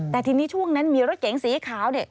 แต่ทีนี้ช่วงนั้นมีรถเก๋งสีขาว